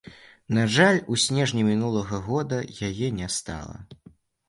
На жаль, у снежні мінулага года яе не стала.